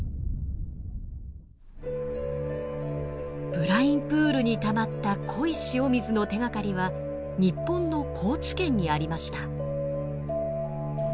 ブラインプールにたまった濃い塩水の手がかりは日本の高知県にありました。